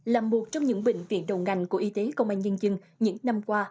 là một trong những bệnh viện đầu ngành của y tế công an nhân dân những năm qua